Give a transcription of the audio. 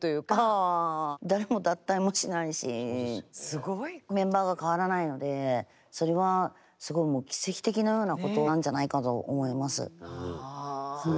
すごい！メンバーが変わらないのでそれはすごいもう奇跡的のようなことなんじゃないかと思います。